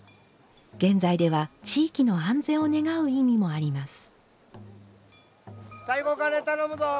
現在では地域の安全を願う意味もあります。